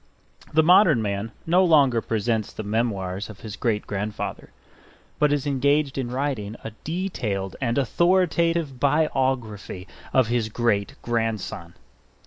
The modern man no longer presents the memoirs of his great grandfather; but is engaged in writing a detailed and authoritative biography of his great grandson.